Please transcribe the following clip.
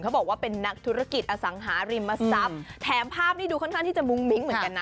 บอกว่าเป็นนักธุรกิจอสังหาริมทรัพย์แถมภาพนี้ดูค่อนข้างที่จะมุ้งมิ้งเหมือนกันนะ